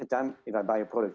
jika saya membeli produk